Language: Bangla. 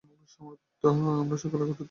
আমরা সকলে একত্রিত হয়েছি কতদিন পেরিয়ে গেছে না?